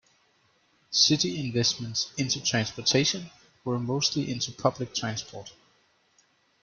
City investments into transportation were mostly into public transport.